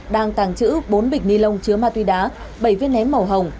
đang tàng trữ bốn bịch ni lông chứa ma túy đá bảy viết ném màu hồng